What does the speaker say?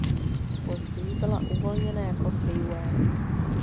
Později byla uvolněna jako freeware.